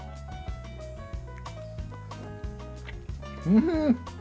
うん！